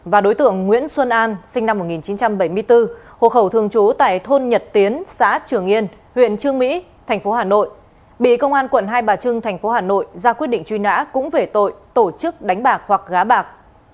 và đối tượng nguyễn xuân an sinh năm một nghìn chín trăm bảy mươi bốn hộ khẩu thường trú tại thôn nhật tiến xã trường yên huyện trương mỹ thành phố hà nội bị công an quận hai bà trưng tp hà nội ra quyết định truy nã cũng về tội tổ chức đánh bạc hoặc gá bạc